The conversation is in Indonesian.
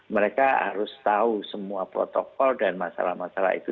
mereka harus tahu semua protokol dan masalah masalah itu